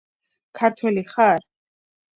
ქართველი ხარ?